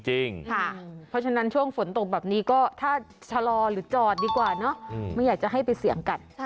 เพราะฉะนั้นช่วงฝนตกแบบนี้ก็ถ้าชะลอหรือจอดดีกว่าเนอะไม่อยากจะให้ไปเสี่ยงกัน